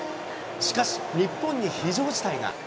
しかし、日本に非常事態が。